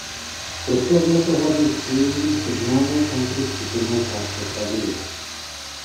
Proslavila se hlavně spojením se známou country skupinou "Carter Family".